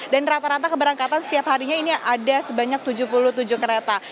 dan rata rata keberangkatan setiap harinya ini ada sebanyak tujuh puluh tujuh kereta